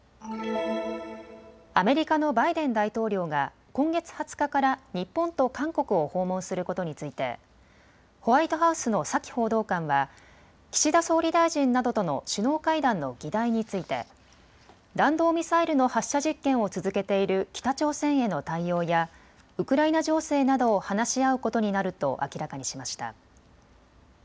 アメリカのバイデン大統領が今月２０日から日本と韓国を訪問することについてホワイトハウスのサキ報道官は岸田総理大臣などとの首脳会談の議題について弾道ミサイルの発射実験を続けている北朝鮮への対応やウクライナ情勢などを話し合うことになると明らかにしました。